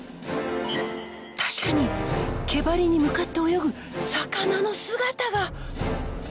確かに毛バリに向かって泳ぐ魚の姿が！